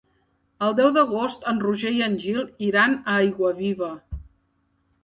El deu d'agost en Roger i en Gil iran a Aiguaviva.